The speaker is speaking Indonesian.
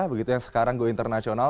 begitu yang sekarang go internasional